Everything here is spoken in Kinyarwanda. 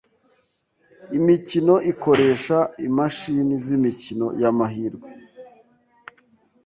imikino ikoresha imashini z’imikino y’amahirwe